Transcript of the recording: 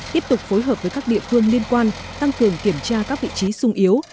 tiếp tục phối hợp với các địa phương liên quan tăng cường kiểm tra các vị trí sung yếu